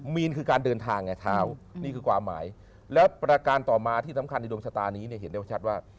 มีนคือการเดินทางไงเท้านี่คือความหมายแล้วประการต่อมาที่สำคัญในดวงชะตานี้เนี่ยเห็นได้ชัดว่า